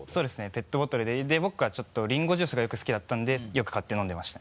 ペットボトルで僕がちょっとリンゴジュースがよく好きだったんでよく買って飲んでました。